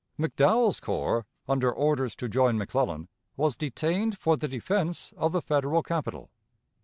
McDowell's corps, under orders to join McClellan, was detained for the defense of the Federal capital.